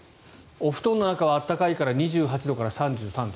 お布団の中は暖かいから２８度から３３度。